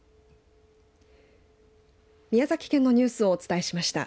宮崎県のニュースをお伝えしました。